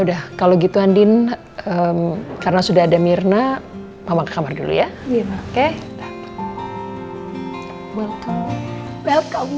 udah kalau gitu andin karena sudah ada mirna bawang ke kamar dulu ya welcome